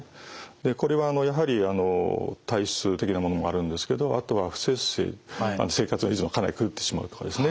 これはやはり体質的なものもあるんですけどあとは不摂生生活のリズムがかなり狂ってしまうとかですね